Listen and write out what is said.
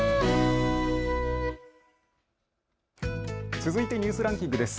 続いてニュースランキングです。